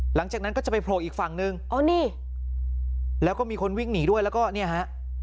หลังจากนั้นก็จะไปโผล่อีกฝั่งนึงอ๋อนี่แล้วก็มีคนวิ่งหนีด้วยแล้วก็เนี่ยฮะ